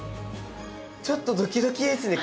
ちょっとドキドキですね。